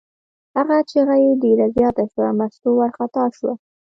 هغه چغه یې ډېره زیاته شوه، مستو وارخطا شوه.